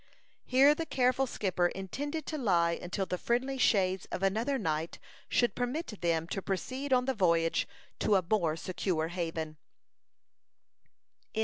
Here the careful skipper intended to lie until the friendly shades of another night should permit them to proceed on the voyage to a more secure haven.